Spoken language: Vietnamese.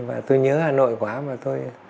và tôi nhớ hà nội quá mà tôi